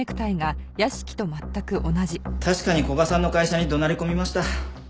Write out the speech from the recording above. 確かに古賀さんの会社に怒鳴り込みました。